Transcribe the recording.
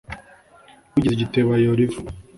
Uwigize igitebo ayora ivu.